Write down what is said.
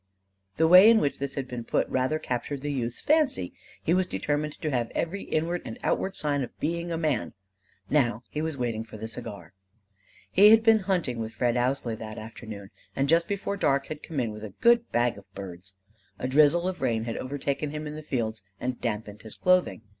The way in which this had been put rather captured the youth's fancy: he was determined to have every inward and outward sign of being a man: now he was waiting for the cigar. He had been hunting with Fred Ousley that afternoon, and just before dark had come in with a good bag of birds. A drizzle of rain had overtaken him in the fields and dampened his clothing.